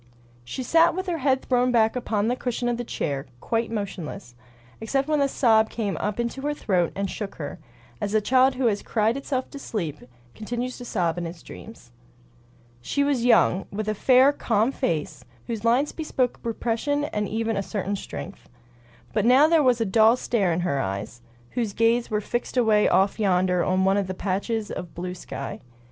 She sat with her head thrown back upon the cushion of the chair, quite motionless, except when a sob came up into her throat and shook her, as a child who has cried itself to sleep continues to sob in its dreams. She was young, with a fair, calm face, whose lines bespoke repression and even a certain strength. But now there was a dull stare in her eyes, whose gaze was fixed away off yonder on one of those patches of blue sky.